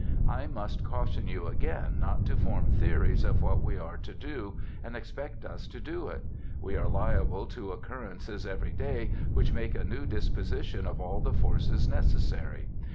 I must caution you again not to form theories of what we are to do, and expect us to do it. We are liable to occurrences every day which make a new disposition of all the forces necessary.